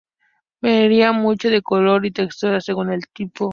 Varía mucho de color y textura, según el tipo.